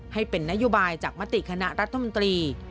ให้เป็นนโยบายจากมติคณะรัฐมนตรี